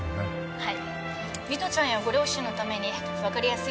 はい！